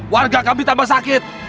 warga kami tambah sakit